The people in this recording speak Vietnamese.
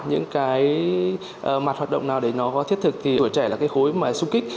những cái mặt hoạt động nào để nó có thiết thực thì tuổi trẻ là cái khối mà xung kích